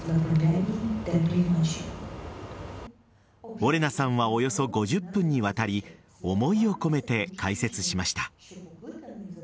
オレナさんはおよそ５０分にわたり思いを込めて解説しました。